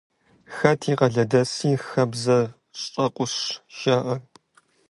«Хэт и къалэдэси хабзэщӏэкъущ» жаӏэр.